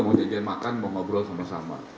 mau izin makan mau ngobrol sama sama